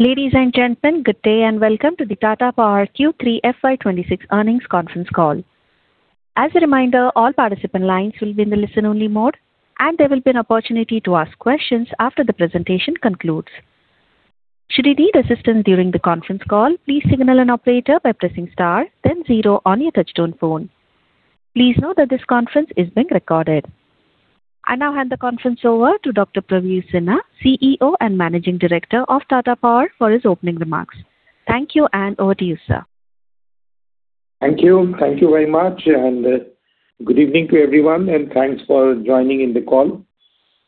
Ladies and gentlemen, good day and welcome to the Tata Power Q3 FY 2026 earnings conference call. As a reminder, all participant lines will be in the listen-only mode, and there will be an opportunity to ask questions after the presentation concludes. Should you need assistance during the conference call, please signal an operator by pressing star, then zero on your touch-tone phone. Please note that this conference is being recorded. I now hand the conference over to Dr. Praveer Sinha, CEO and Managing Director of Tata Power, for his opening remarks. Thank you, and over to you, sir. Thank you. Thank you very much. Good evening to everyone, and thanks for joining in the call.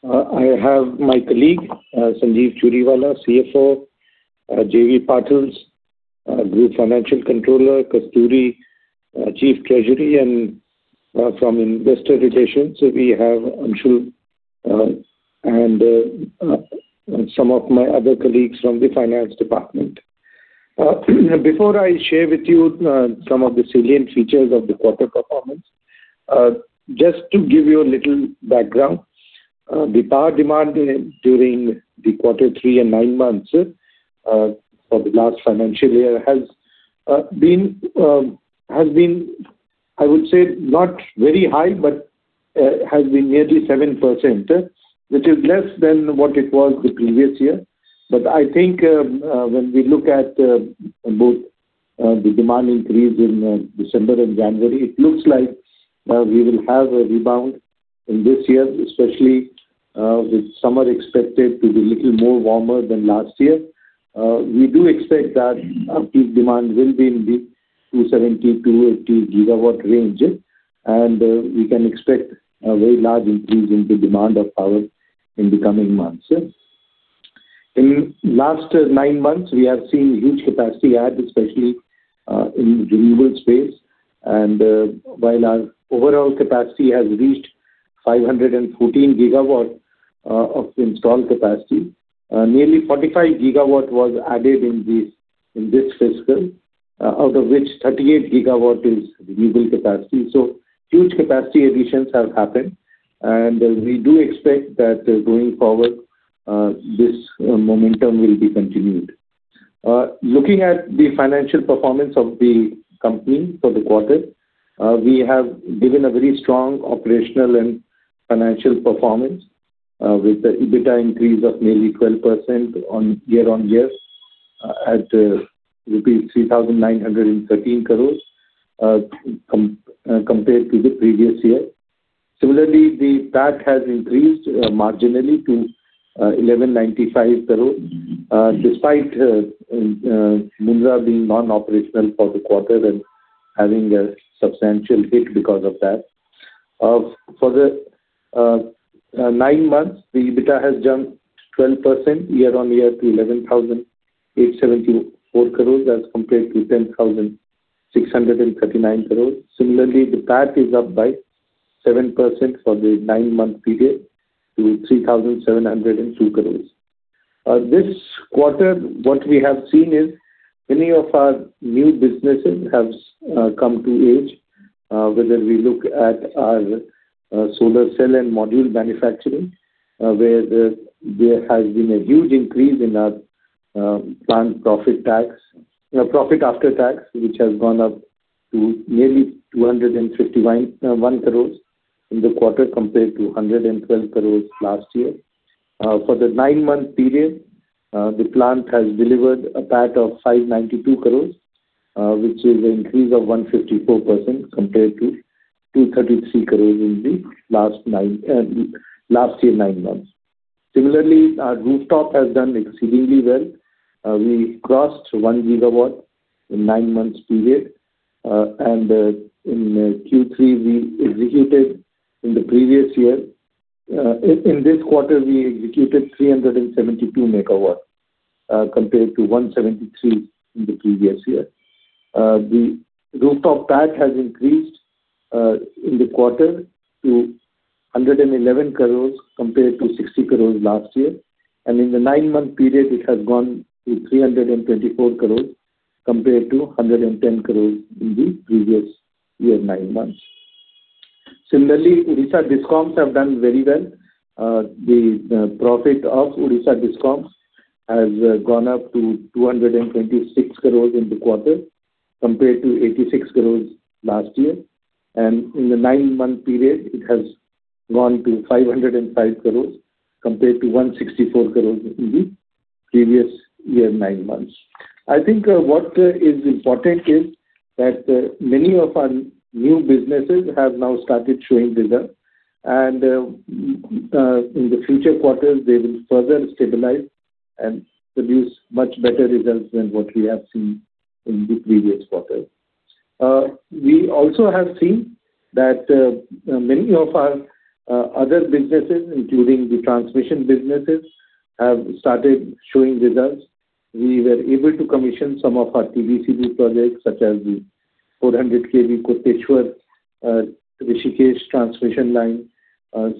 I have my colleague, Sanjeev Churiwala, CFO; J.V. Patil, Group Financial Controller; Kasturi, Chief Treasurer; and from investor relations, we have Anshul and some of my other colleagues from the Finance Department. Before I share with you some of the salient features of the quarter performance, just to give you a little background, the power demand during the quarter three and nine months for the last financial year has been, I would say, not very high, but has been nearly 7%, which is less than what it was the previous year. I think when we look at both the demand increase in December and January, it looks like we will have a rebound in this year, especially with summer expected to be a little more warmer than last year. We do expect that peak demand will be in the 270 GW-280 GW range, and we can expect a very large increase in the demand of power in the coming months. In the last nine months, we have seen huge capacity add, especially in the renewable space. And while our overall capacity has reached 514 GW of installed capacity, nearly 45 GW was added in this fiscal, out of which 38 GW is renewable capacity. So huge capacity additions have happened, and we do expect that going forward, this momentum will be continued. Looking at the financial performance of the company for the quarter, we have given a very strong operational and financial performance with the EBITDA increase of nearly 12% year-on-year at rupees 3,913 crore compared to the previous year. Similarly, the PAT has increased marginally to 1,195 crores, despite Mundra being non-operational for the quarter and having a substantial hit because of that. For the nine months, the EBITDA has jumped 12% year-on-year to 11,874 crores as compared to 10,639 crores. Similarly, the PAT is up by 7% for the nine-month period to 3,702 crores. This quarter, what we have seen is many of our new businesses have come to age, whether we look at our solar cell and module manufacturing, where there has been a huge increase in our profit after tax, which has gone up to nearly 251 crores in the quarter compared to 112 crores last year. For the nine-month period, the plant has delivered a PAT of 592 crores, which is an increase of 154% compared to 233 crores in the last year and nine months. Similarly, our rooftop has done exceedingly well. We crossed 1 GW in the nine-month period. In Q3, we executed in the previous year in this quarter, we executed 372 MW compared to 173 MW in the previous year. The rooftop PAT has increased in the quarter to 111 crores compared to 60 crores last year. In the nine-month period, it has gone to 324 crores compared to 110 crores in the previous year and nine months. Similarly, Odisha Discoms have done very well. The profit of Odisha Discoms has gone up to 226 crores in the quarter compared to 86 crores last year. In the nine-month period, it has gone to 505 crores compared to 164 crores in the previous year and nine months. I think what is important is that many of our new businesses have now started showing results. In the future quarters, they will further stabilize and produce much better results than what we have seen in the previous quarter. We also have seen that many of our other businesses, including the transmission businesses, have started showing results. We were able to commission some of our TBCB projects, such as the 400 kV Koteshwar–Rishikesh transmission line.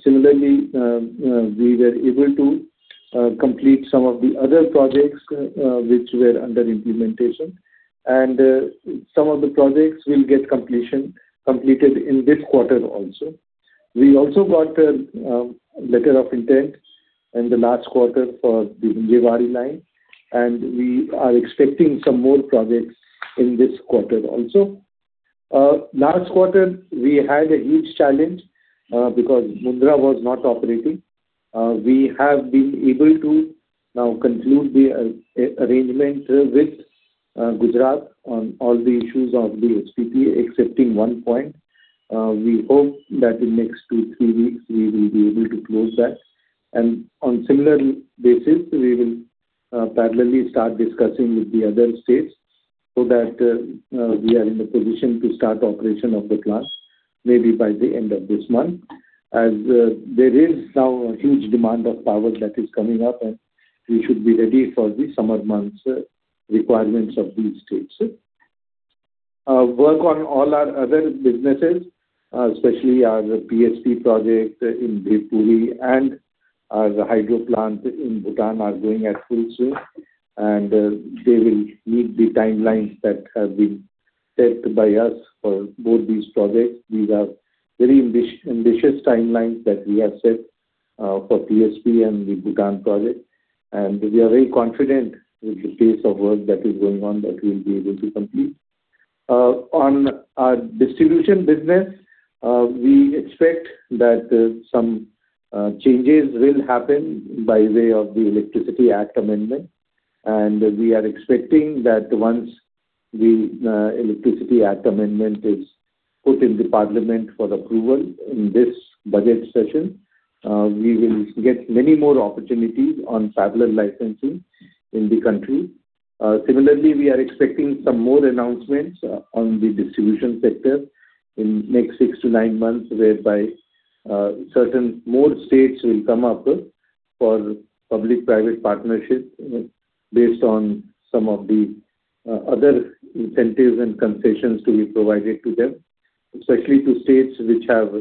Similarly, we were able to complete some of the other projects, which were under implementation. Some of the projects will get completed in this quarter also. We also got a letter of intent in the last quarter for the Vijayawada line, and we are expecting some more projects in this quarter also. Last quarter, we had a huge challenge because Mundra was not operating. We have been able to now conclude the arrangement with Gujarat on all the issues of the HPC, excepting one point. We hope that in the next two-three weeks, we will be able to close that. On a similar basis, we will parallelly start discussing with the other states so that we are in the position to start operation of the plant maybe by the end of this month, as there is now a huge demand of power that is coming up, and we should be ready for the summer months' requirements of these states. Work on all our other businesses, especially our PSP project in Bhivpuri and our hydro plant in Bhutan, are going at full swing. They will meet the timelines that have been set by us for both these projects. These are very ambitious timelines that we have set for PSP and the Bhutan project. We are very confident with the pace of work that is going on that we will be able to complete. On our distribution business, we expect that some changes will happen by way of the Electricity Act amendment. We are expecting that once the Electricity Act amendment is put in the Parliament for approval in this budget session, we will get many more opportunities on parallel licensing in the country. Similarly, we are expecting some more announcements on the distribution sector in the next six to nine months, whereby certain more states will come up for public-private partnership based on some of the other incentives and concessions to be provided to them, especially to states which have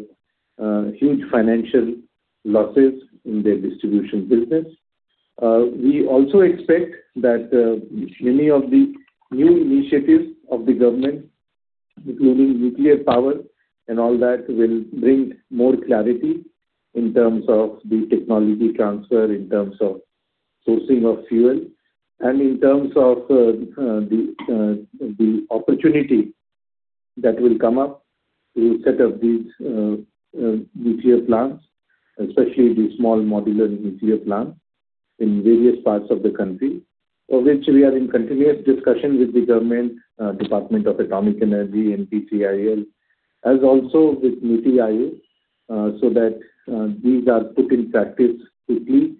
huge financial losses in their distribution business. We also expect that many of the new initiatives of the government, including nuclear power and all that, will bring more clarity in terms of the technology transfer, in terms of sourcing of fuel, and in terms of the opportunity that will come up to set up these nuclear plants, especially the small modular nuclear plants in various parts of the country, for which we are in continuous discussion with the Government Department of Atomic Energy and NPCIL, as also with NITI, so that these are put in practice quickly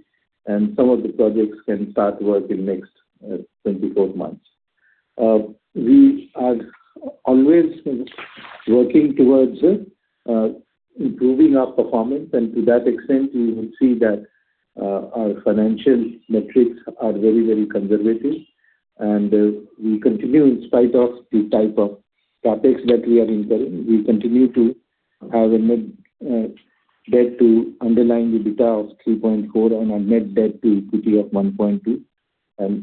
and some of the projects can start work in the next 24 months. We are always working towards improving our performance. To that extent, you would see that our financial metrics are very, very conservative. We continue, in spite of the type of CapEx that we are incurring, to have a net debt to underlying EBITDA of 3.4 and a net debt-to-equity of 1.2.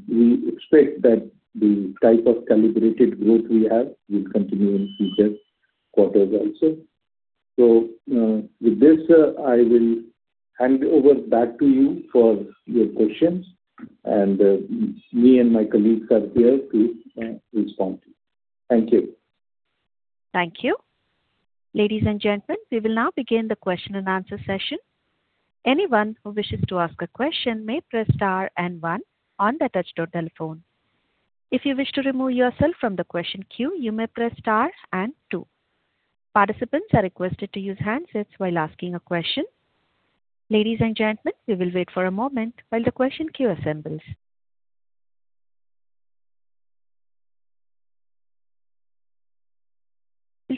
We expect that the type of calibrated growth we have will continue in future quarters also. With this, I will hand over back to you for your questions. Me and my colleagues are here to respond to you. Thank you. Thank you. Ladies and gentlemen, we will now begin the question-and-answer session. Anyone who wishes to ask a question may press star and one on the touch-tone telephone. If you wish to remove yourself from the question queue, you may press star and two. Participants are requested to use handsets while asking a question. Ladies and gentlemen, we will wait for a moment while the question queue assembles.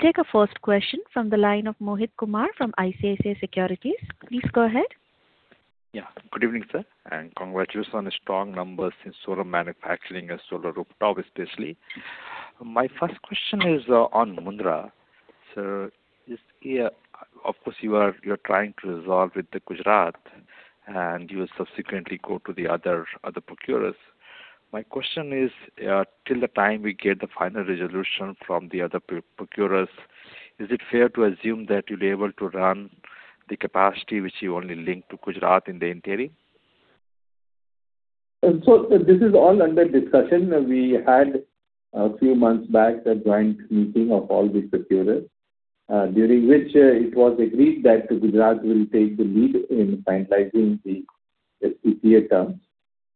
We'll take a first question from the line of Mohit Kumar from ICICI Securities. Please go ahead. Yeah. Good evening, sir. And congratulations on a strong number since solar manufacturing and solar rooftop, especially. My first question is on Mundra. Sir, of course, you are trying to resolve with Gujarat, and you will subsequently go to the other procurers. My question is, till the time we get the final resolution from the other procurers, is it fair to assume that you'll be able to run the capacity, which you only link to Gujarat, in the interim? This is all under discussion. We had, a few months back, a joint meeting of all the procurers, during which it was agreed that Gujarat will take the lead in finalizing the SPPA terms.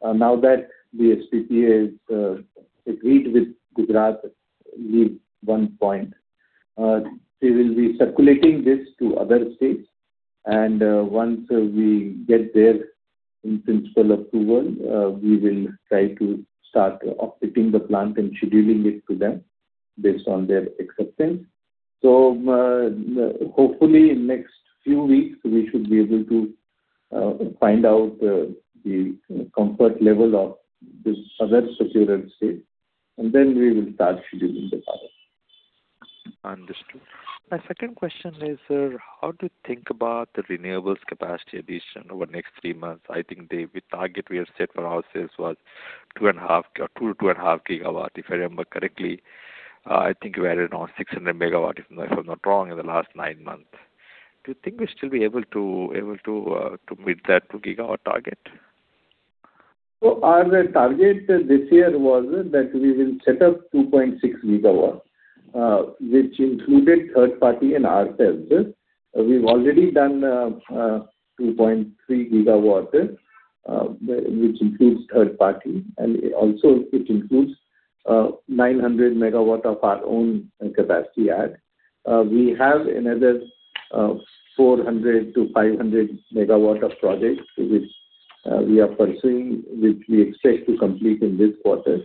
Now that the SPPA has agreed with Gujarat to leave one point, we will be circulating this to other states. Once we get their in-principle approval, we will try to start offsetting the plant and scheduling it to them based on their acceptance. So hopefully, in the next few weeks, we should be able to find out the comfort level of the other procurer states. Then we will start scheduling the power. Understood. My second question is, sir, how do you think about the renewables capacity addition over the next three months? I think the target we had set for ourselves was 2.5 or 2-2.5 GW, if I remember correctly. I think we added on 600 MW, if I'm not wrong, in the last nine months. Do you think we'll still be able to meet that 2 GW target? So our target this year was that we will set up 2.6 GW, which included third-party and ourselves. We've already done 2.3 GW, which includes third-party, and also it includes 900 MW of our own capacity add. We have another 400-500 MW of projects which we are pursuing, which we expect to complete in this quarter.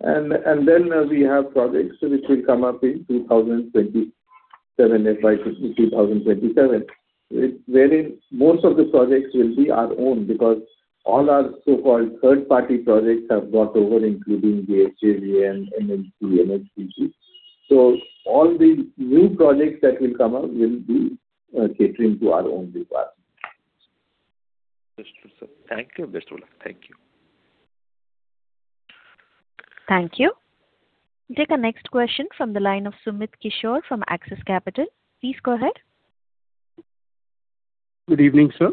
And then we have projects which will come up in 2027, if I could, 2027, wherein most of the projects will be our own because all our so-called third-party projects have gone over, including the SJVN, NTPC, and NHPC. So all the new projects that will come up will be catering to our own requirements. Understood, sir. Thank you, Mr. Churiwala. Thank you. Thank you. We'll take a next question from the line of Sumit Kishore from Axis Capital. Please go ahead. Good evening, sir.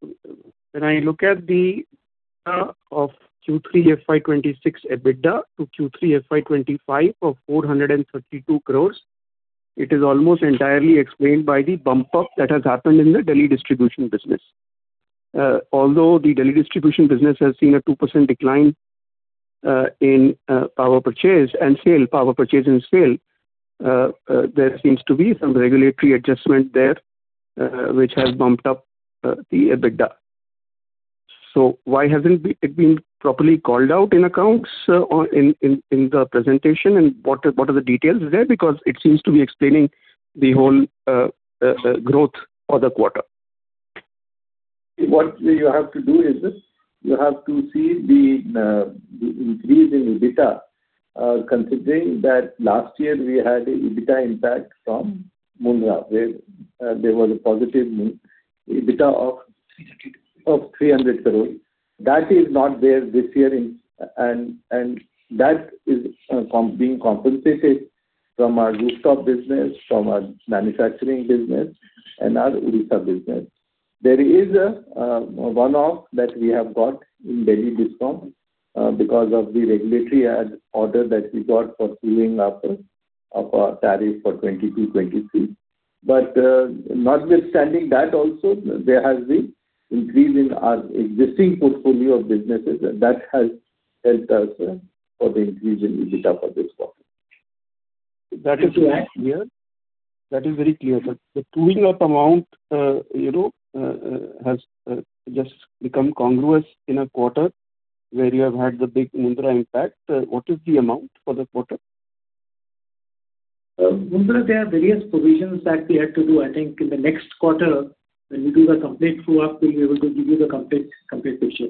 When I look at the Q3 FY 2026 EBITDA to Q3 FY 2025 of 432 crore, it is almost entirely explained by the bump-up that has happened in the Delhi distribution business. Although the Delhi distribution business has seen a 2% decline in power purchase and sale, power purchase and sale, there seems to be some regulatory adjustment there, which has bumped up the EBITDA. So why hasn't it been properly called out in accounts in the presentation, and what are the details there? Because it seems to be explaining the whole growth for the quarter. What you have to do is you have to see the increase in EBITDA, considering that last year we had an EBITDA impact from Mundra, where there was a positive EBITDA of 300 crore. That is not there this year, and that is being compensated from our rooftop business, from our manufacturing business, and our Odisha business. There is one-off that we have got in Delhi Discom because of the regulatory order that we got for smoothing up our tariff for 2022/2023. But notwithstanding that also, there has been an increase in our existing portfolio of businesses. That has helped us for the increase in EBITDA for this quarter. That is very clear. That is very clear. But the smooth-up amount has just become congruous in a quarter where you have had the big Mundra impact. What is the amount for the quarter? Mundra, there are various provisions that we had to do. I think in the next quarter, when we do the complete smooth-up, we'll be able to give you the complete picture.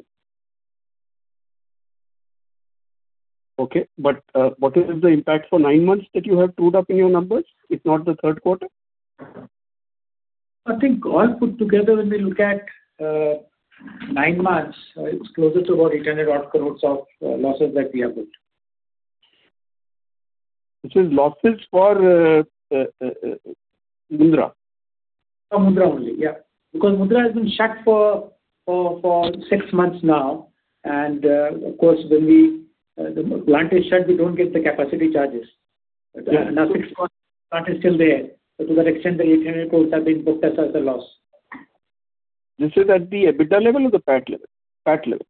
Okay. But what is the impact for nine months that you have smooth-up in your numbers, if not the third quarter? I think all put together, when we look at nine months, it's closer to about 800-odd crore of losses that we have built. This is losses for Mundra? For Mundra only, yeah. Because Mundra has been shut for six months now. Of course, when the plant is shut, we don't get the capacity charges. Now, six months, the plant is still there. So to that extent, the 800 crore have been booked as a loss. This is at the EBITDA level or the PAT level?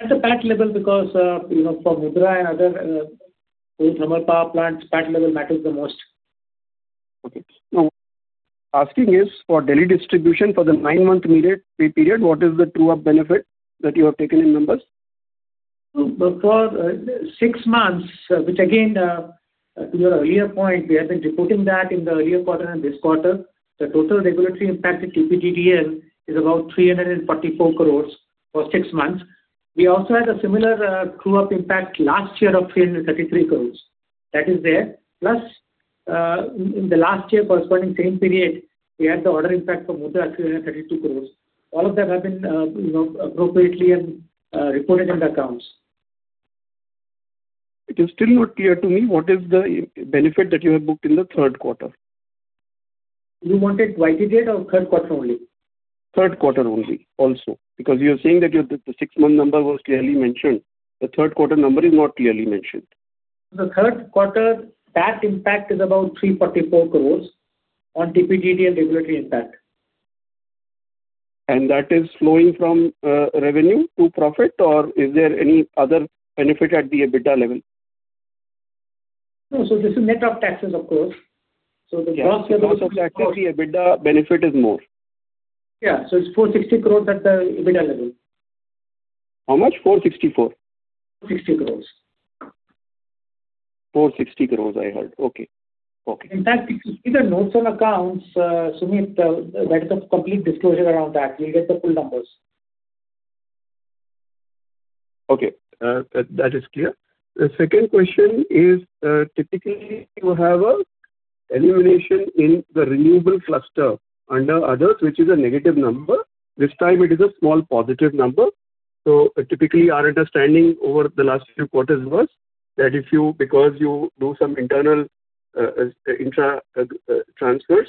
At the PAT level because for Mundra and other thermal power plants, PAT level matters the most. Okay. Now, what I'm asking is, for Delhi distribution, for the nine-month period, what is the smooth-up benefit that you have taken in numbers? For six months, which again, to your earlier point, we have been reporting that in the earlier quarter and this quarter, the total regulatory impact to TPDDL is about 344 crores for six months. We also had a similar smooth-up impact last year of 333 crores. That is there. Plus, in the last year corresponding same period, we had the order impact for Mundra of 332 crores. All of that have been appropriately reported in the accounts. It is still not clear to me what is the benefit that you have booked in the third quarter. You wanted YTDAT or third quarter only? Third quarter only also. Because you're saying that the six-month number was clearly mentioned. The third quarter number is not clearly mentioned. For the third quarter, PAT impact is about 344 crore on TPDDL regulatory impact. That is flowing from revenue to profit, or is there any other benefit at the EBITDA level? No. So this is net of taxes, of course. So the gross level is. The gross of taxes, the EBITDA benefit is more? Yeah. So it's 460 crore at the EBITDA level. How much? 460 crore? 460 crores. 460 crore, I heard. Okay. Okay. In fact, if you see the notes on accounts, Sumit, there is a complete disclosure around that. You'll get the full numbers. Okay. That is clear. The second question is, typically, you have an elimination in the renewable cluster under others, which is a negative number. This time, it is a small positive number. So typically, our understanding over the last few quarters was that because you do some internal intra-transfers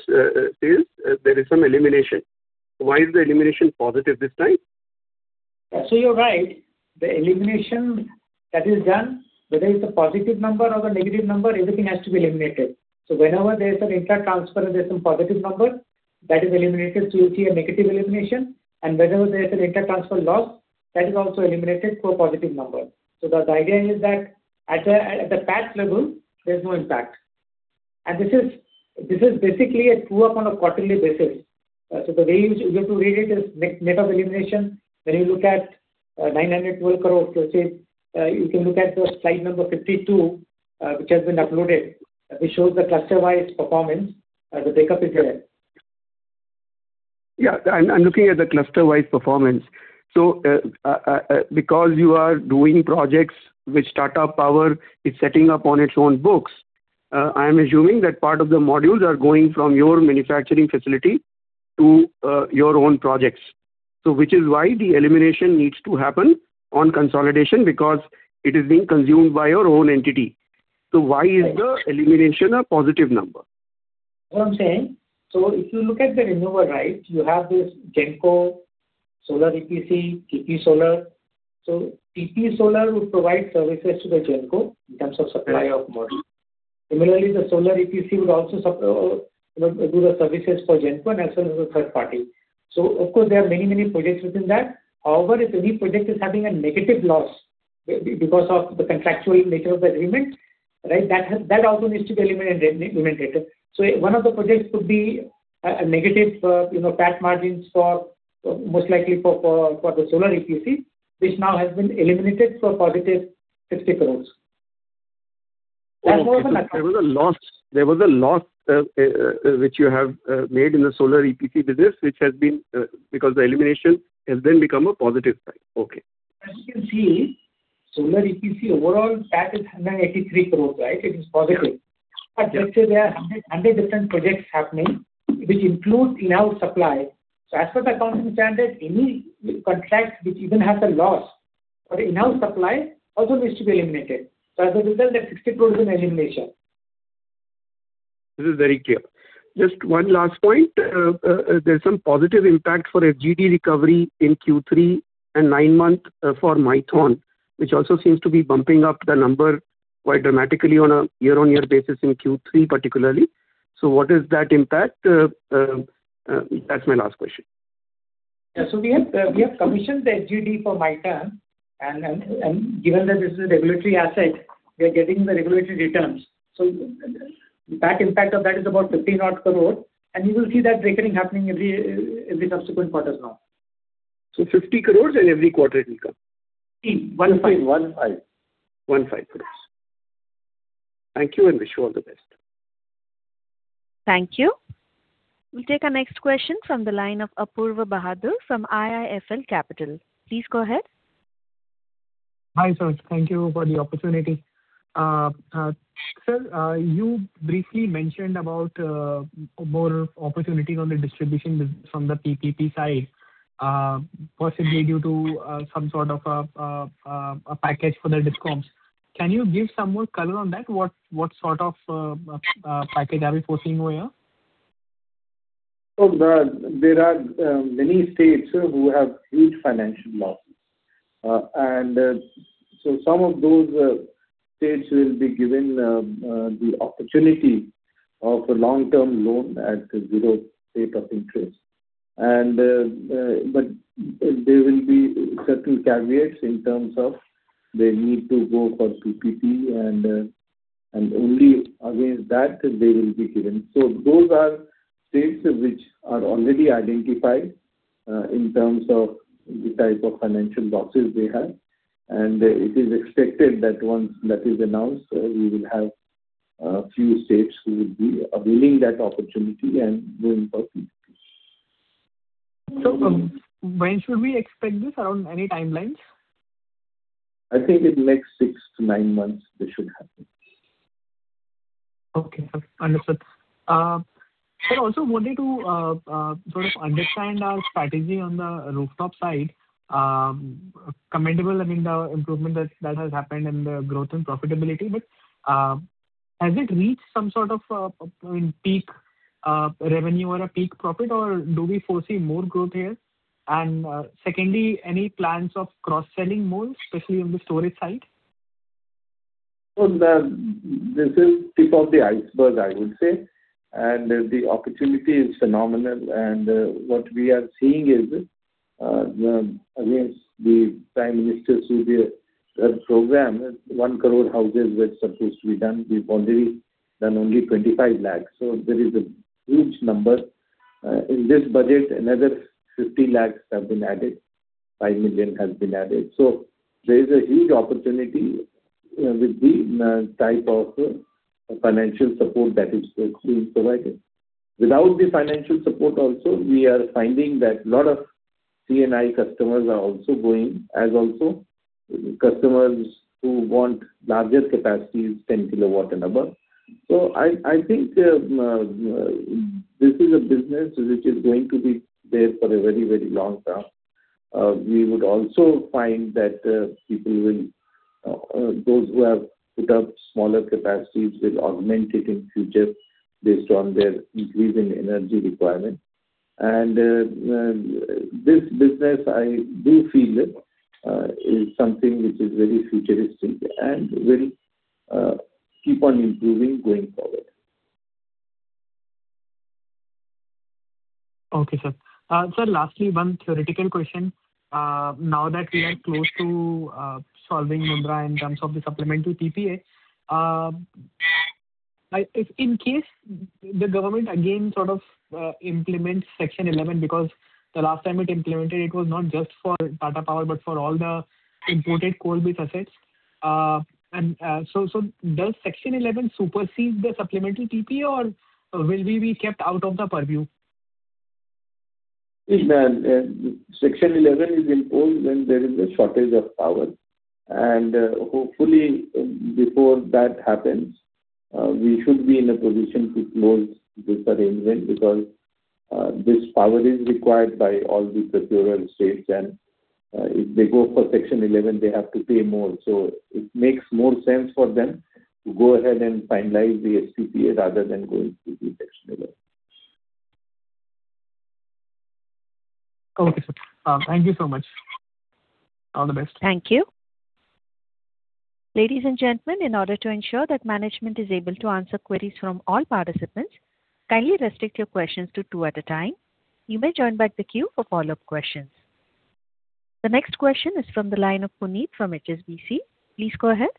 sales, there is some elimination. Why is the elimination positive this time? Yeah. So you're right. The elimination that is done, whether it's a positive number or a negative number, everything has to be eliminated. So whenever there's an intra-transfer and there's some positive number, that is eliminated to a negative elimination. And whenever there's an intra-transfer loss, that is also eliminated to a positive number. So the idea is that at the PAT level, there's no impact. And this is basically a smooth-up on a quarterly basis. So the way you have to read it is net of elimination. When you look at 912 crores, you can look at the slide number 52, which has been uploaded. This shows the cluster-wise performance. The breakup is there. Yeah. I'm looking at the cluster-wise performance. So because you are doing projects which Tata Power is setting up on its own books, I am assuming that part of the modules are going from your manufacturing facility to your own projects, which is why the elimination needs to happen on consolidation because it is being consumed by your own entity. So why is the elimination a positive number? What I'm saying, so if you look at the renewable, right, you have this Genco Solar EPC, TP Solar. So TP Solar would provide services to the Genco in terms of supply of modules. Similarly, the Solar EPC would also do the services for Genco and as well as the third party. So of course, there are many, many projects within that. However, if any project is having a negative loss because of the contractual nature of the agreement, right, that also needs to be eliminated. So one of the projects could be a negative PAT margins for most likely for the Solar EPC, which now has been eliminated for positive 50 crore. That's more than nothing. Okay. So there was a loss. There was a loss which you have made in the Solar EPC business, which has been because the elimination has then become a positive thing. Okay. As you can see, Solar EPC overall, PAT is 183 crore, right? It is positive. But let's say there are 100 different projects happening, which include in-house supply. So as a result, that 50 crore is an elimination. This is very clear. Just one last point. There's some positive impact for FGD recovery in Q3 and nine-month for Maithon, which also seems to be bumping up the number quite dramatically on a year-on-year basis in Q3, particularly. So what is that impact? That's my last question. Yeah. So we have commissioned the FGD for Maithon. And given that this is a regulatory asset, we are getting the regulatory returns. So the PAT impact of that is about 50-odd crore. And you will see that breaking happening every subsequent quarters now. So 50 crore in every quarter it will come? 15 crore. 15.15 crore. Thank you, and wish you all the best. Thank you. We'll take our next question from the line of Apoorva Bahadur from IIFL Capital. Please go ahead. Hi, sir. Thank you for the opportunity. Sir, you briefly mentioned about more opportunities on the distribution from the PPP side, possibly due to some sort of a package for the Discoms. Can you give some more color on that? What sort of package are we forcing here? There are many states who have huge financial losses. Some of those states will be given the opportunity of a long-term loan at zero rate of interest. There will be certain caveats in terms of they need to go for PPP, and only against that they will be given. Those are states which are already identified in terms of the type of financial losses they have. It is expected that once that is announced, we will have a few states who will be availing that opportunity and going for PPP. When should we expect this? Around any timelines? I think in the next six-nine months, this should happen. Okay. Understood. Sir, also wanted to sort of understand our strategy on the rooftop side, commendable, I mean, the improvement that has happened and the growth and profitability. But has it reached some sort of, I mean, peak revenue or a peak profit, or do we foresee more growth here? And secondly, any plans of cross-selling more, especially on the storage side? So this is the tip of the iceberg, I would say. And the opportunity is phenomenal. And what we are seeing is, against the Prime Minister Suryodaya's program, 1 crore houses were supposed to be done. We've already done only 25 lakhs. So there is a huge number. In this budget, another 50 lakhs have been added. 5 million has been added. So there is a huge opportunity with the type of financial support that is being provided. Without the financial support also, we are finding that a lot of C&I customers are also going as also customers who want larger capacities, 10 kW and above. So I think this is a business which is going to be there for a very, very long time. We would also find that people, those who have put up smaller capacities, will augment it in the future based on their increase in energy requirement. And this business, I do feel, is something which is very futuristic and will keep on improving going forward. Okay, sir. Sir, lastly, one theoretical question. Now that we are close to solving Mundra in terms of the supplement to TPA, if in case the government again sort of implements Section 11 because the last time it implemented, it was not just for Tata Power but for all the imported coal-based assets. And so does Section 11 supersede the supplemental TPA, or will we be kept out of the purview? Section 11 is imposed when there is a shortage of power. Hopefully, before that happens, we should be in a position to close this arrangement because this power is required by all the procurer states. If they go for Section 11, they have to pay more. It makes more sense for them to go ahead and finalize the SPPA rather than going through Section 11. Okay, sir. Thank you so much. All the best. Thank you. Ladies and gentlemen, in order to ensure that management is able to answer queries from all participants, kindly restrict your questions to two at a time. You may join back the queue for follow-up questions. The next question is from the line of Puneet from HSBC. Please go ahead.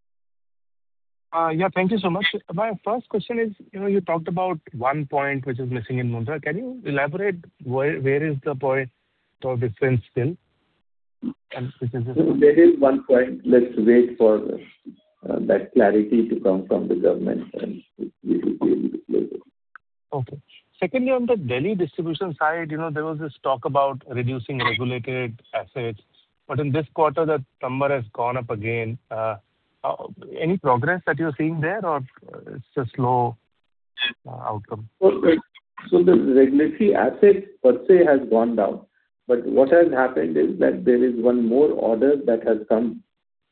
Yeah. Thank you so much. My first question is, you talked about one point which is missing in Mundra. Can you elaborate where is the point or difference still, which is this? There is one point. Let's wait for that clarity to come from the government, and we will be able to close it. Okay. Secondly, on the Delhi distribution side, there was this talk about reducing Regulatory Assets. But in this quarter, that number has gone up again. Any progress that you're seeing there, or it's a slow outcome? So the regulatory asset, per se, has gone down. But what has happened is that there is one more order that has come.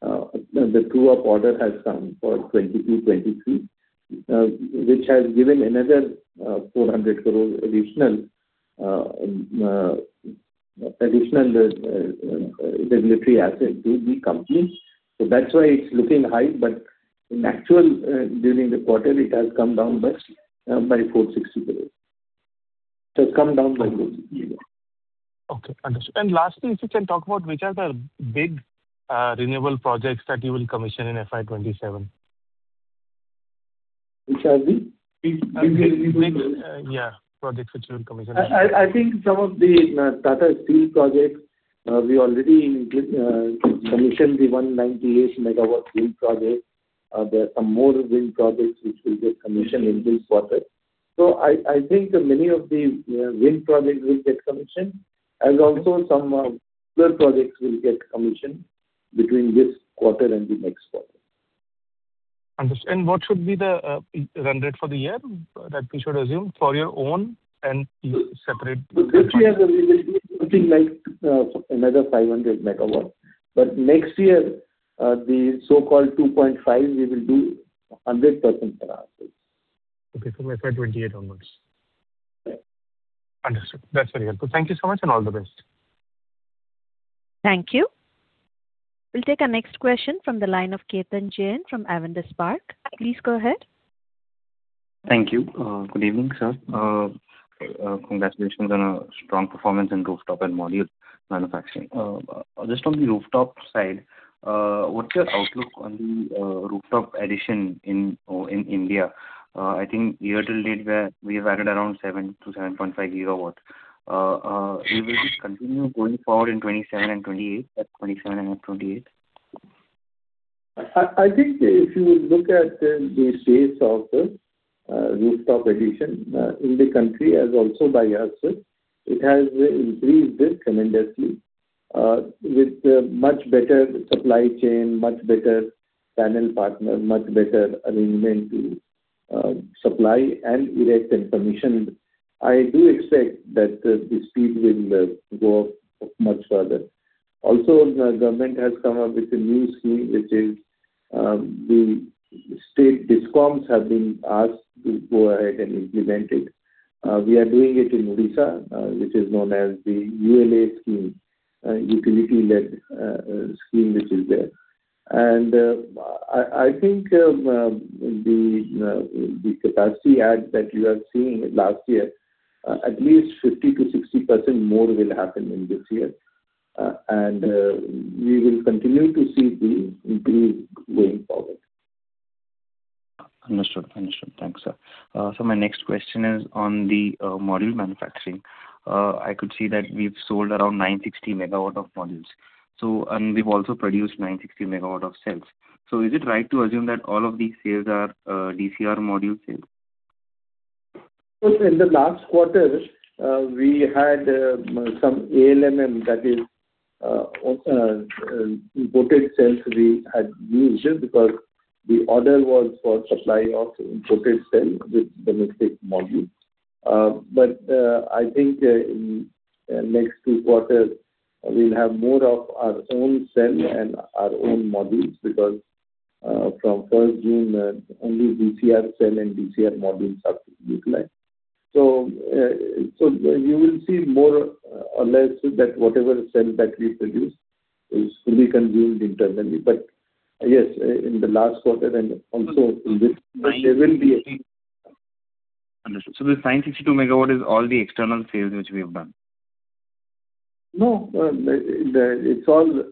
The smooth-up order has come for 2022/2023, which has given another 400 crore additional regulatory asset to the company. So that's why it's looking high. But in actual, during the quarter, it has come down by 460 crore. It has come down by 460 crore. Okay. Understood. And lastly, if you can talk about which are the big renewable projects that you will commission in FY 2027? Which are the? Yeah. Projects which you will commission. I think some of the Tata Steel projects, we already commissioned the 198-MW wind project. There are some more wind projects which will get commissioned in this quarter. So I think many of the wind projects will get commissioned, as also some other projects will get commissioned between this quarter and the next quarter. Understood. And what should be the run rate for the year that we should assume for your own and separate? Next year, we will do something like another 500 MW. But next year, the so-called 2.5, we will do 100% per asset. Okay. From FY 2028 onwards. Yeah. Understood. That's very helpful. Thank you so much, and all the best. Thank you. We'll take our next question from the line of Ketan Jain from Avendus Spark. Please go ahead. Thank you. Good evening, sir. Congratulations on a strong performance in rooftop and module manufacturing. Just on the rooftop side, what's your outlook on the rooftop addition in India? I think year to date, we have added around 7-7.5 GW. Will this continue going forward in 2027 and 2028, at 2027 and at 2028? I think if you look at the space of the rooftop addition in the country, as also by us, it has increased tremendously with much better supply chain, much better panel partner, much better arrangement to supply and erect and commission. I do expect that the speed will go much further. Also, the government has come up with a new scheme, which is the state Discoms have been asked to go ahead and implement it. We are doing it in Odisha, which is known as the ULA scheme, utility-led scheme, which is there. I think the capacity add that you are seeing last year, at least 50%-60% more will happen in this year. We will continue to see the increase going forward. Understood. Understood. Thanks, sir. My next question is on the module manufacturing. I could see that we've sold around 960 MW of modules, and we've also produced 960 MW of cells. Is it right to assume that all of these cells are DCR module cells? In the last quarter, we had some ALMM, that is, imported cells we had used because the order was for supply of imported cell with domestic modules. But I think in the next two quarters, we'll have more of our own cell and our own modules because from 1st June, only DCR cell and DCR modules are to be utilized. So you will see more or less that whatever cell that we produce is fully consumed internally. But yes, in the last quarter and also in this, there will be a. Understood. So this 962 MW is all the external sales which we have done? No. It's all.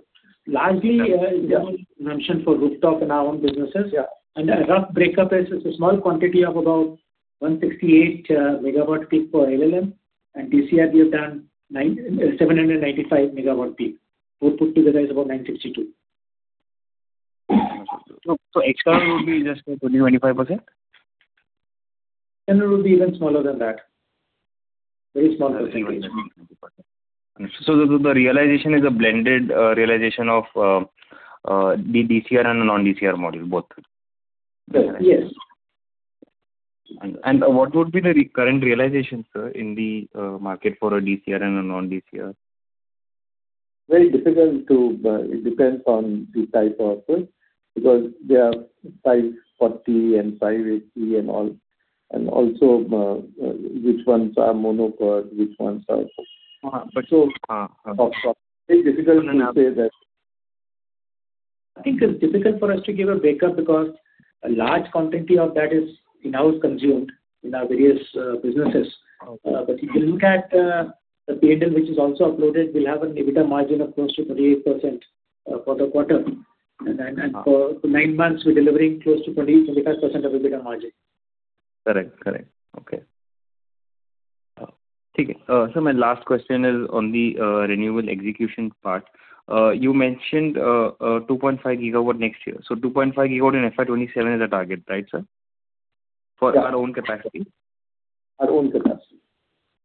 Lastly, in terms of exemption for rooftop and our own businesses, and a rough break-up is a small quantity of about 168 MW peak for ALMM, and DCR, we have done 795 MW peak. Total put together is about 962. Understood. So external would be just 20%-25%? External would be even smaller than that. Very small percentage. Understood. So the realization is a blended realization of the DCR and a non-DCR module, both? Yes. What would be the current realization, sir, in the market for a DCR and a non-DCR? Very difficult. It depends on the type of because there are 540 and 580 and all, and also which ones are monocore, which ones are offshore. Very difficult to say that. I think it's difficult for us to give a breakup because a large quantity of that is in-house consumed in our various businesses. But if you look at the P&L, which is also uploaded, we'll have an EBITDA margin of close to 38% for the quarter. And for nine months, we're delivering close to 25% of EBITDA margin. Correct. Correct. Okay. Sir, my last question is on the renewable execution part. You mentioned 2.5 GW next year. So 2.5 GW in FY 2027 is a target, right, sir, for our own capacity? Our own capacity.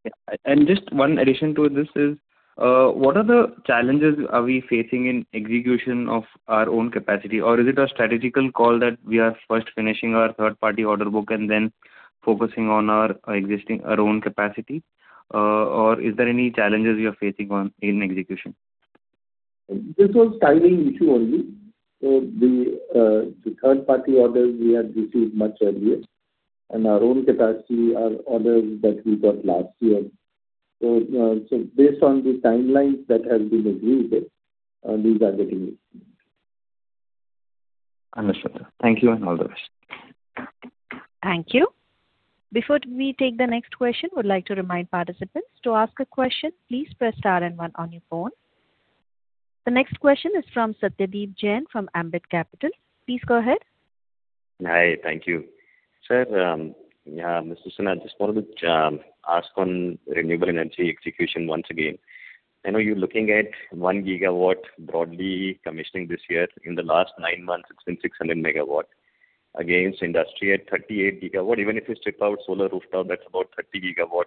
Yeah. And just one addition to this is, what challenges are we facing in execution of our own capacity, or is it a strategic call that we are first finishing our third-party order book and then focusing on our own capacity? Or is there any challenges you are facing in execution? This was a timing issue only. The third-party orders, we had received much earlier. Our own capacity are orders that we got last year. Based on the timelines that have been agreed, these are getting implemented. Understood, sir. Thank you and all the best. Thank you. Before we take the next question, would like to remind participants to ask a question. Please press star and one on your phone. The next question is from Satyadeep Jain from Ambit Capital. Please go ahead. Hi. Thank you. Sir, Mr. Sinhha, I just wanted to ask on renewable energy execution once again. I know you're looking at 1 GW broadly commissioning this year. In the last nine months, it's been 600 MW. Again, India, 38 GW. Even if you strip out solar rooftop, that's about 30 GW,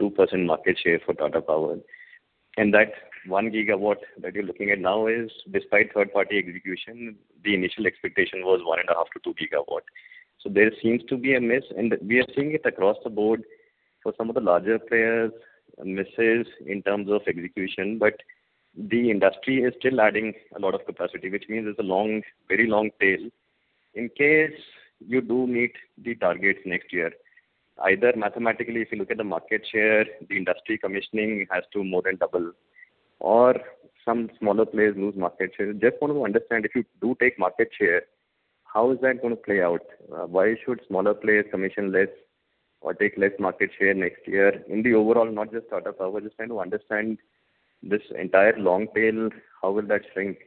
2% market share for Tata Power. And that 1 GW that you're looking at now is, despite third-party execution, the initial expectation was 1.5-2 GW. So there seems to be a miss, and we are seeing it across the board for some of the larger players, misses in terms of execution. But the industry is still adding a lot of capacity, which means it's a very long tail in case you do meet the targets next year. Either mathematically, if you look at the market share, the industry commissioning has to more than double, or some smaller players lose market share. Just want to understand, if you do take market share, how is that going to play out? Why should smaller players commission less or take less market share next year? In the overall, not just Tata Power, just trying to understand this entire long tail, how will that shrink?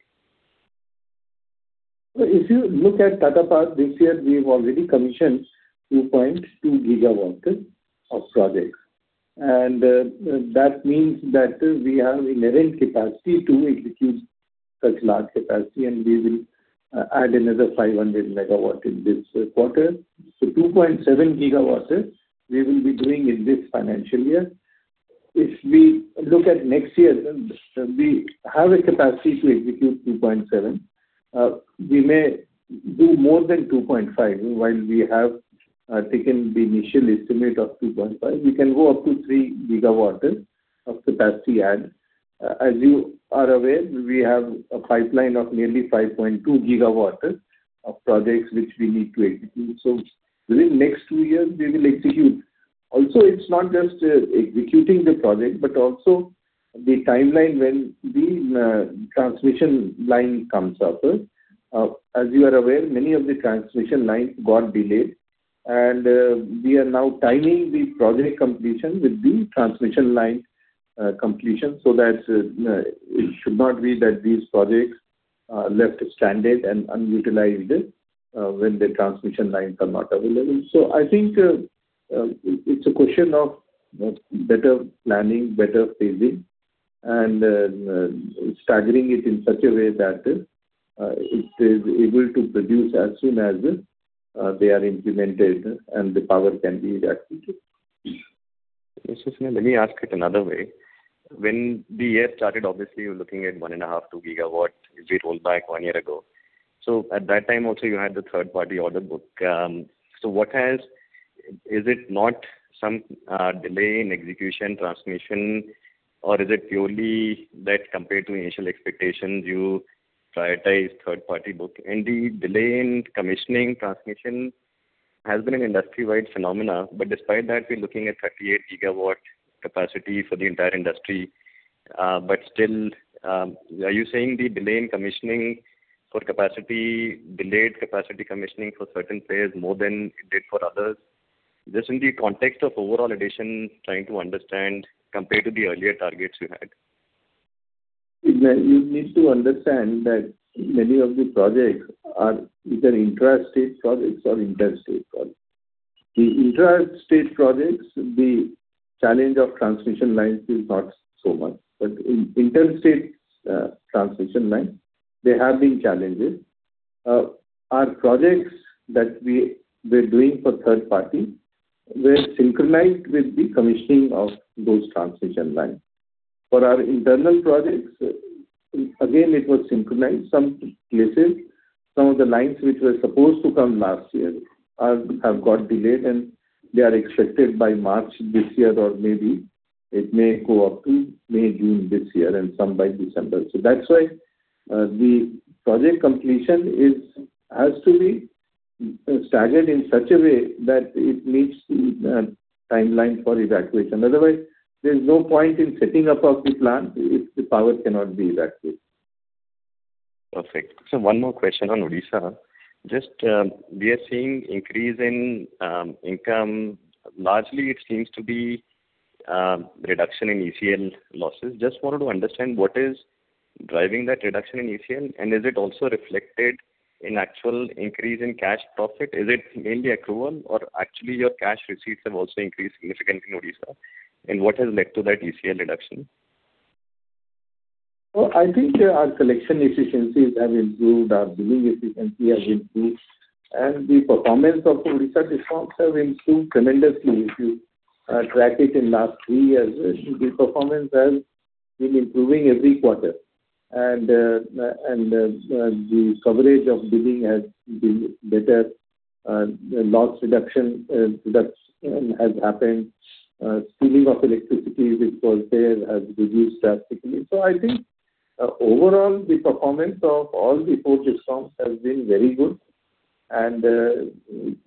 If you look at Tata Power, this year, we've already commissioned 2.2 GW of projects. And that means that we have inherent capacity to execute such large capacity, and we will add another 500 MW in this quarter. So 2.7 GW, we will be doing in this financial year. If we look at next year, we have a capacity to execute 2.7. We may do more than 2.5 while we have taken the initial estimate of 2.5. We can go up to 3 GW of capacity add. As you are aware, we have a pipeline of nearly 5.2 GW of projects which we need to execute. So within next two years, we will execute. Also, it's not just executing the project, but also the timeline when the transmission line comes up. As you are aware, many of the transmission lines got delayed. And we are now timing the project completion with the transmission line completion so that it should not be that these projects are left standing and unutilized when the transmission lines are not available. So I think it's a question of better planning, better phasing, and staggering it in such a way that it is able to produce as soon as they are implemented and the power can be reactivated. Mr. Sinha, let me ask it another way. When the year started, obviously, you're looking at 1.5-2 GW if we roll back one year ago. So at that time, also, you had the third-party order book. So is it not some delay in execution, transmission, or is it purely that compared to initial expectations, you prioritized third-party book? Indeed, delay in commissioning transmission has been an industry-wide phenomenon. But despite that, we're looking at 38 GW capacity for the entire industry. But still, are you saying the delay in commissioning for capacity, delayed capacity commissioning for certain players more than it did for others? Just in the context of overall addition, trying to understand compared to the earlier targets you had. You need to understand that many of the projects are either intra-state projects or interstate projects. The intra-state projects, the challenge of transmission lines is not so much. But in interstate transmission lines, there have been challenges. Our projects that we're doing for third-party were synchronized with the commissioning of those transmission lines. For our internal projects, again, it was synchronized. Some places, some of the lines which were supposed to come last year have got delayed, and they are expected by March this year or maybe it may go up to May, June this year, and some by December. So that's why the project completion has to be staggered in such a way that it meets the timeline for evacuation. Otherwise, there's no point in setting up the plant if the power cannot be evacuated. Perfect. Sir, one more question on Odisha. Just we are seeing increase in income. Largely, it seems to be reduction in ECL losses. Just wanted to understand what is driving that reduction in ECL, and is it also reflected in actual increase in cash profit? Is it mainly accrual, or actually, your cash receipts have also increased significantly in Odisha? And what has led to that ECL reduction? I think our selection efficiencies have improved. Our billing efficiency has improved. The performance of Odisha Discoms has improved tremendously. If you track it in the last three years, the performance has been improving every quarter. The coverage of billing has been better. Loss reduction has happened. Stealing of electricity, which was there, has reduced drastically. So I think overall, the performance of all the four Discoms has been very good.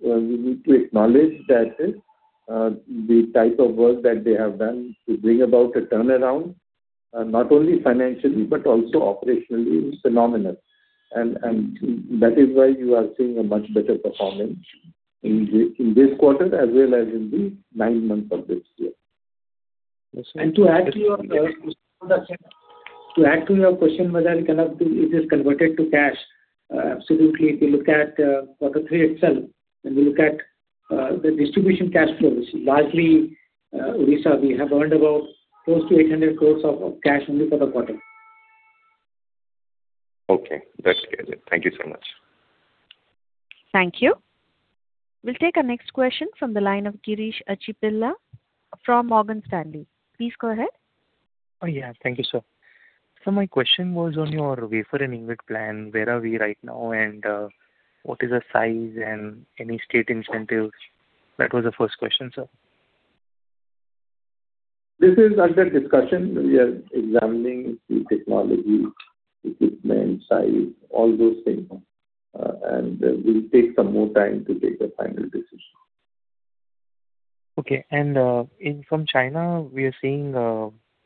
We need to acknowledge that the type of work that they have done to bring about a turnaround, not only financially but also operationally, is phenomenal. That is why you are seeing a much better performance in this quarter as well as in the nine months of this year. To add to your question, Mohit, is this converted to cash? Absolutely. If you look at quarter three itself, when you look at the distribution cash flow, largely Odisha, we have earned about close to 800 crore of cash only for the quarter. Okay. That's clear. Thank you so much. Thank you. We'll take our next question from the line of Girish Achhipalia from Morgan Stanley. Please go ahead. Oh, yeah. Thank you, sir. Sir, my question was on your wafer and ingot plan. Where are we right now, and what is the size and any state incentives? That was the first question, sir. This is under discussion. We are examining the technology, equipment, size, all those things. We'll take some more time to take a final decision. Okay. And from China, we are seeing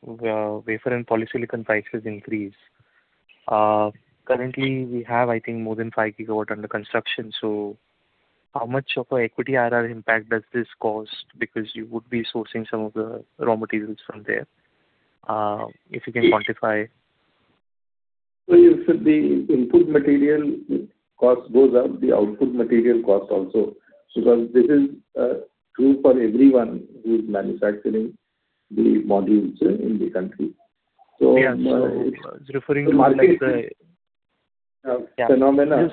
wafer and polysilicon prices increase. Currently, we have, I think, more than 5 GW under construction. So how much of an equity RR impact does this cause because you would be sourcing some of the raw materials from there, if you can quantify? So the input material cost goes up. The output material cost also. So this is true for everyone who's manufacturing the modules in the country. So it's. Yeah. Sir, referring to the. Yeah. Phenomenon.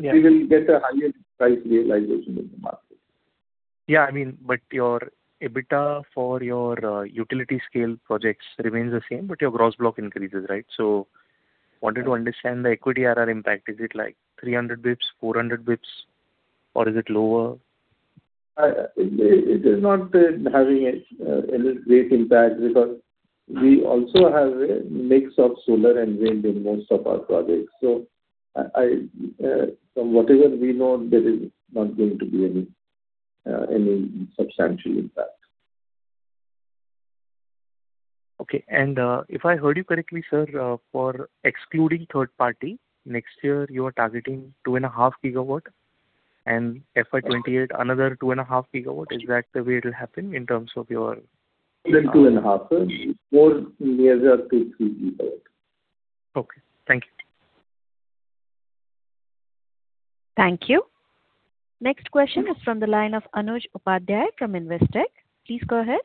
We will get a higher price realization in the market. Yeah. I mean, but your EBITDA for your utility-scale projects remains the same, but your gross block increases, right? So wanted to understand the equity RR impact. Is it like 300 basis points, 400 basis points, or is it lower? It is not having a great impact because we also have a mix of solar and wind in most of our projects. So from whatever we know, there is not going to be any substantial impact. Okay. If I heard you correctly, sir, for excluding third-party, next year, you are targeting 2.5 GW and FY 2028, another 2.5 GW. Is that the way it will happen in terms of your? More than 2.5 GW. More nearer to 3 GW. Okay. Thank you. Thank you. Next question is from the line of Anuj Upadhyay from Investec. Please go ahead.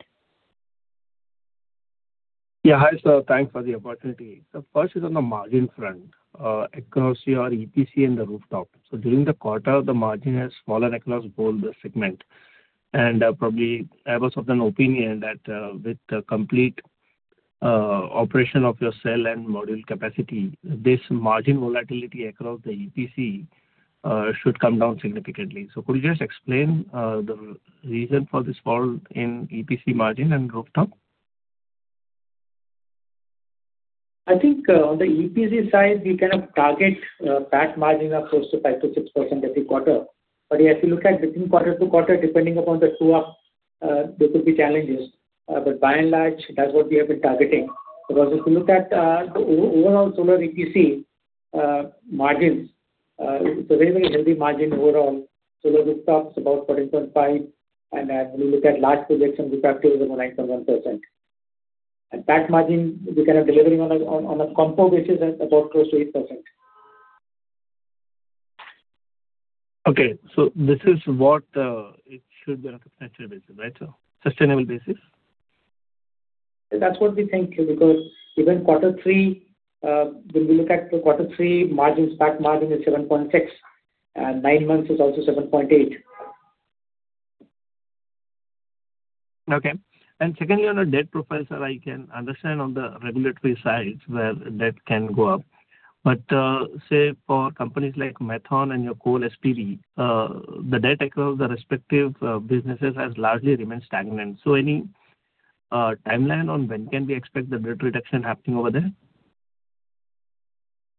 Yeah. Hi, sir. Thanks for the opportunity. Sir, first is on the margin front. We are EPC in the rooftop. So during the quarter, the margin has fallen across both the segments. And probably I was of an opinion that with complete operation of your cell and module capacity, this margin volatility across the EPC should come down significantly. So could you just explain the reason for this fall in EPC margin and rooftop? I think on the EPC side, we kind of target that margin of close to 5%-6% every quarter. But yeah, if you look at between quarter-to-quarter, depending upon the true-up, there could be challenges. But by and large, that's what we have been targeting. Because if you look at the overall solar EPC margins, it's a very, very healthy margin overall. Solar rooftop is about 14.5%. And when you look at large projection, we've got up to over 9.1%. And that margin, we're kind of delivering on a compound basis at about close to 8%. Okay. This is what it should be on a financial basis, right, sir? Sustainable basis? That's what we think because even quarter three, when we look at quarter three, EBITDA margin is 7.6%. Nine months is also 7.8%. Okay. And secondly, on the debt profile, sir, I can understand on the regulatory sides where debt can go up. But say for companies like Maithon and your coal, SPV, the debt across the respective businesses has largely remained stagnant. So any timeline on when can we expect the debt reduction happening over there?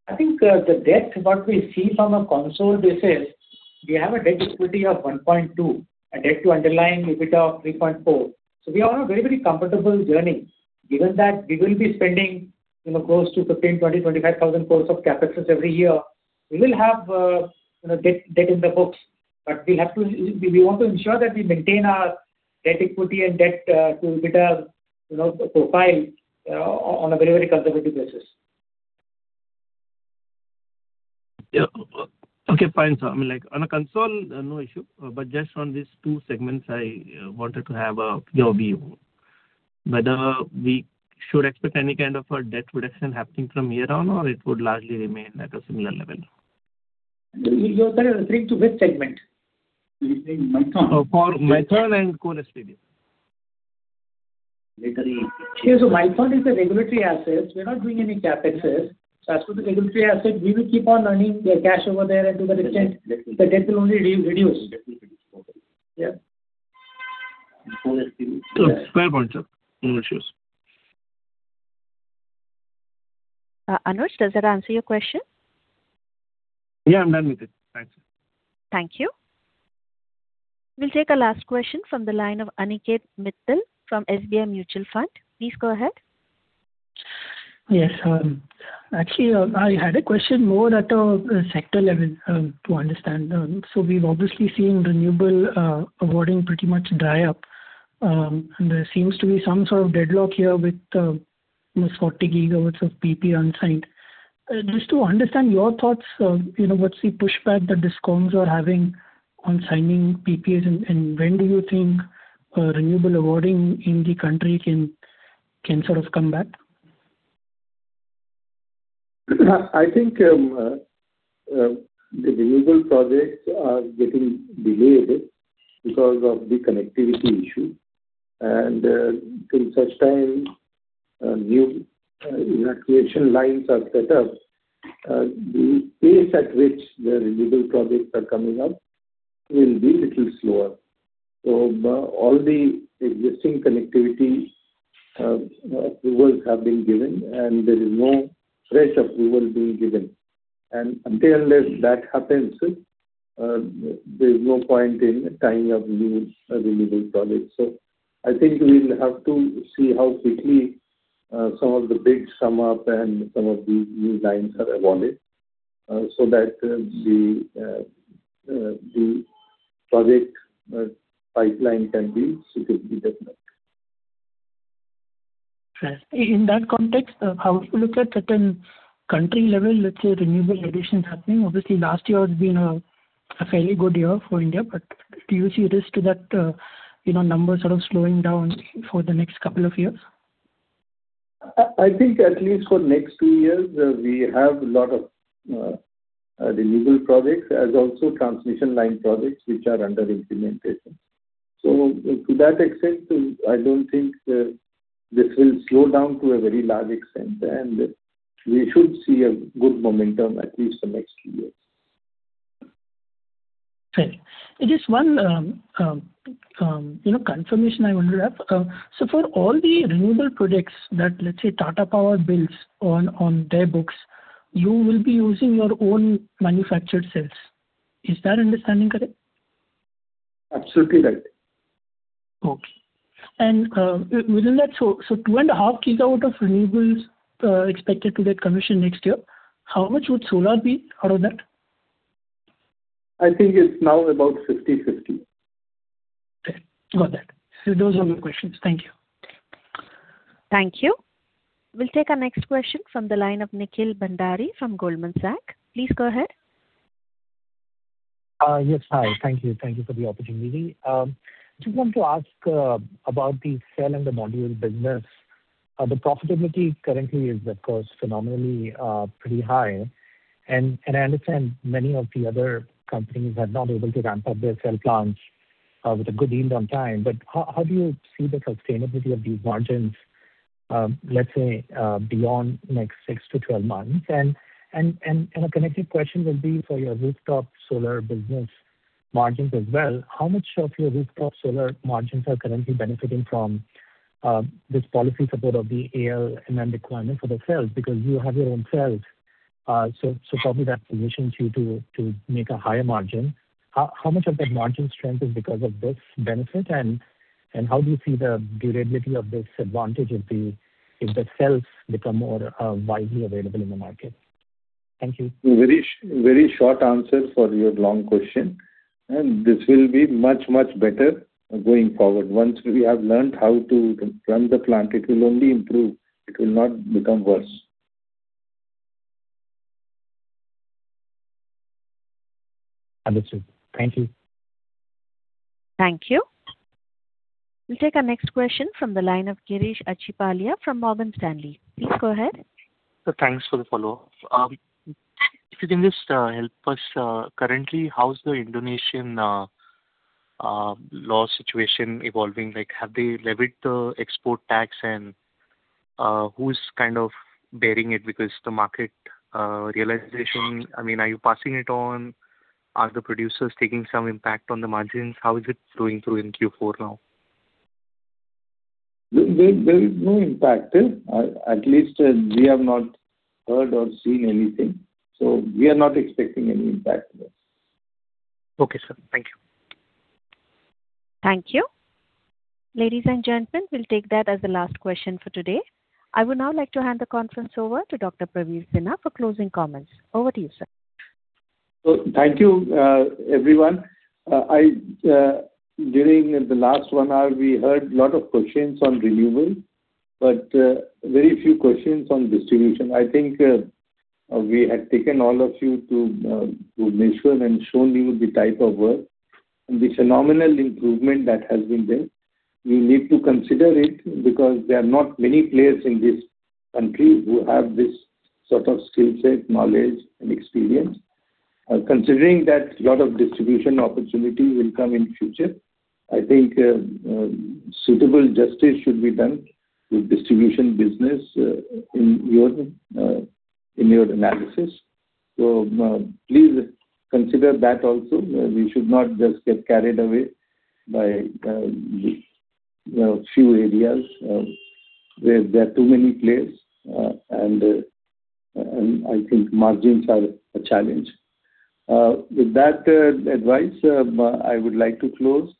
I think the debt, what we see from a consolidated basis, we have a debt-to-equity of 1.2, a debt to underlying EBITDA of 3.4. So we are on a very, very comfortable journey. Given that we will be spending close to 15,000 crore, 20,000 crore, 25,000 crore of CapEx every year, we will have debt in the books. But we want to ensure that we maintain our debt-to-equity and debt-to-EBITDA profile on a very, very conservative basis. Yeah. Okay. Fine, sir. I mean, on a consol, no issue. But just on these two segments, I wanted to have your view. Whether we should expect any kind of debt reduction happening from here on, or it would largely remain at a similar level? You're referring to which segment? You're saying Maithon? For Maithon and coal, SPV. So Maithon is a regulatory asset. We're not doing any CapEx. So as for the regulatory asset, we will keep on earning cash over there, and to the extent the debt will only reduce. Yeah. Fair point, sir. No issues. Anuj, does that answer your question? Yeah. I'm done with it. Thanks. Thank you. We'll take a last question from the line of Aniket Mittal from SBI Mutual Fund. Please go ahead. Yes. Actually, I had a question more at a sector level to understand. So we've obviously seen renewable awarding pretty much dry up. And there seems to be some sort of deadlock here with almost 40 GW of PP unsigned. Just to understand your thoughts, what's the pushback that Discoms are having on signing PPs? And when do you think renewable awarding in the country can sort of come back? I think the renewable projects are getting delayed because of the connectivity issue. And in such times, new evacuation lines are set up. The pace at which the renewable projects are coming up will be a little slower. So all the existing connectivity approvals have been given, and there is no fresh approval being given. And until that happens, there is no point in tying up new renewable projects. So I think we'll have to see how quickly some of the bids come up and some of these new lines are awarded so that the project pipeline can be suitably developed. In that context, how if we look at certain country-level, let's say, renewable additions happening, obviously, last year has been a fairly good year for India. But do you see risk to that number sort of slowing down for the next couple of years? I think at least for the next two years, we have a lot of renewable projects as also transmission line projects which are under implementation. So to that extent, I don't think this will slow down to a very large extent. And we should see a good momentum at least the next two years. Fair. Just one confirmation I wanted to have. So for all the renewable projects that, let's say, Tata Power builds on their books, you will be using your own manufactured cells. Is that understanding correct? Absolutely right. Okay. Within that, 2.5 GW of renewables expected to get commissioned next year, how much would solar be out of that? I think it's now about 50/50. Okay. Got that. Those are all the questions. Thank you. Thank you. We'll take our next question from the line of Nikhil Bhandari from Goldman Sachs. Please go ahead. Yes. Hi. Thank you. Thank you for the opportunity. I just want to ask about the cell and the module business. The profitability currently is, of course, phenomenally pretty high. And I understand many of the other companies have not been able to ramp up their cell plants with a good yield on time. But how do you see the sustainability of these margins, let's say, beyond next six-12 months? And a connected question will be. For your rooftop solar business margins as well, how much of your rooftop solar margins are currently benefiting from this policy support of the ALMM requirement for the cells? Because you have your own cells, so probably that positions you to make a higher margin. How much of that margin strength is because of this benefit? How do you see the durability of this advantage if the cells become more widely available in the market? Thank you. Very short answer for your long question. This will be much, much better going forward. Once we have learned how to run the plant, it will only improve. It will not become worse. Understood. Thank you. Thank you. We'll take our next question from the line of Girish Achhipalia from Morgan Stanley. Please go ahead. Thanks for the follow-up. If you can just help us, currently, how's the Indonesian law situation evolving? Have they levied the export tax, and who's kind of bearing it because of the market realization? I mean, are you passing it on? Are the producers taking some impact on the margins? How is it flowing through in Q4 now? There is no impact. At least, we have not heard or seen anything. So we are not expecting any impact. Okay, sir. Thank you. Thank you. Ladies and gentlemen, we'll take that as the last question for today. I would now like to hand the conference over to Dr. Praveer Sinha for closing comments. Over to you, sir. So thank you, everyone. During the last one hour, we heard a lot of questions on renewables but very few questions on distribution. I think we had taken all of you to Mission and shown you the type of work and the phenomenal improvement that has been there. You need to consider it because there are not many players in this country who have this sort of skill set, knowledge, and experience. Considering that a lot of distribution opportunities will come in the future, I think suitable justice should be done with distribution business in your analysis. So please consider that also. We should not just get carried away by a few areas where there are too many players, and I think margins are a challenge. With that advice, I would like to close.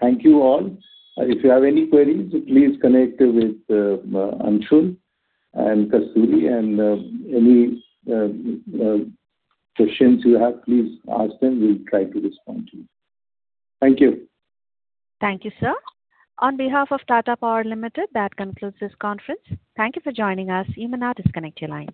Thank you all. If you have any queries, please connect with Anshul and Kasturi. Any questions you have, please ask them. We'll try to respond to you. Thank you. Thank you, sir. On behalf of Tata Power Limited, that concludes this conference. Thank you for joining us. You may now disconnect your lines.